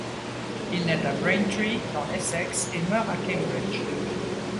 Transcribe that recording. Il naît à Braintree dans l'Essex et meurt à Cambridge.